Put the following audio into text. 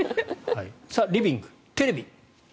リビング、テレビ。